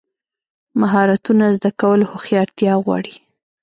مهارتونه زده کول هوښیارتیا غواړي.